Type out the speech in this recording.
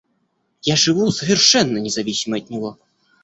Я живу совершенно независимо от него.